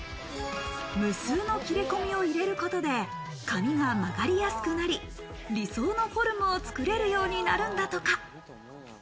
無数の切れ込みを入れることで、紙が曲がりやすくなり、理想のフォルムをつくれるようになるんだとか。